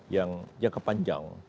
yang yang kepanjang